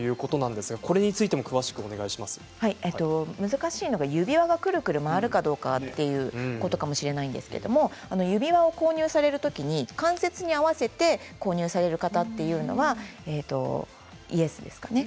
難しいのが指輪がくるくる回るかどうかということかもしれないんですけど指輪を購入されるときに関節に合わせて購入される方はイエスですかね。